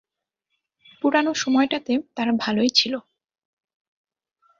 পুরানো সময়টাতে তারা ভালোই ছিলো।